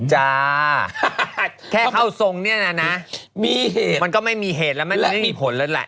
จ้าแค่เข้าทรงเนี่ยนะมีเหตุมันก็ไม่มีเหตุแล้วมันไม่มีผลแล้วแหละ